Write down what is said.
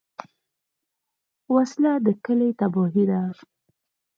وسله د کلي تباهي ده